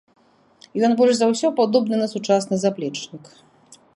Ён больш за ўсё падобны на сучасны заплечнік.